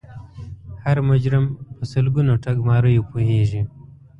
هر مجرم په سلګونو ټګماریو پوهیږي